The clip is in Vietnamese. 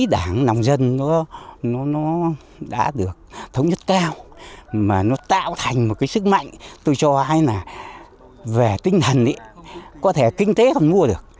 đã được thống nhất cao mà nó tạo thành một cái sức mạnh tôi cho ai nè về tinh thần ý có thể kinh tế không mua được